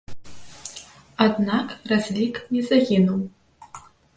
Аднак разлік не загінуў.